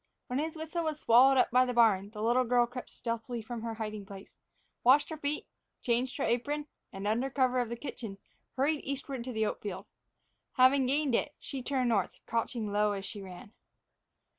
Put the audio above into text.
When his whistle was swallowed up by the barn, the little girl crept stealthily from her hiding place, washed her feet, changed her apron, and, under cover of the kitchen, hurried eastward to the oat field. Having gained it, she turned north, crouching low as she ran.